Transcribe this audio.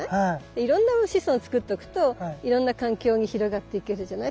いろんな子孫を作っとくといろんな環境に広がっていけるじゃない。